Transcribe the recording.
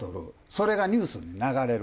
それがニュースに流れる。